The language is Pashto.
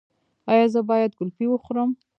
ایا زه باید ګلپي وخورم؟